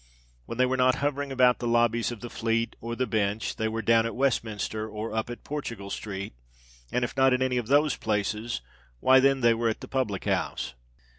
When they were not hovering about the lobbies of the Fleet or the Bench, they were "down at Westminster," or "up at Portugal Street;" and if not in any of those places—why, then they were at the public house.